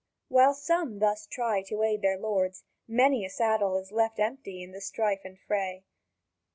While some thus try to aid their lords, many a saddle is left empty in the strife and fray.